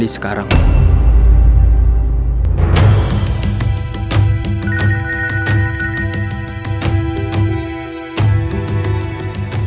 dia selalu diserang rikim